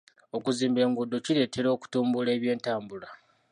Okuzimba enguudo kireetera okutumbula eby'entambula.